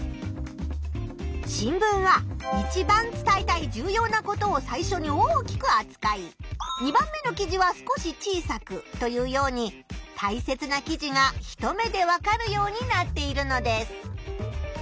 新聞はいちばん伝えたい重要なことを最初に大きくあつかい２番目の記事は少し小さくというようにたいせつな記事が一目でわかるようになっているのです。